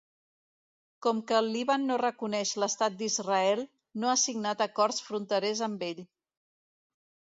Com que el Líban no reconeix l'Estat d'Israel, no ha signat acords fronterers amb ell.